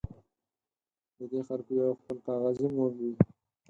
د دې خلکو یو خپل کاغذي موډ وي.